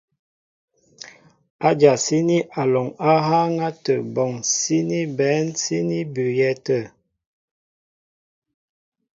Adyasíní alɔŋ á hááŋ átə bɔŋ síní bɛ̌n síní bʉʉyɛ́ tə̂.